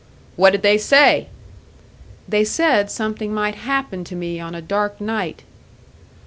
"What did they say?" "They said something might happen to me on a dark night."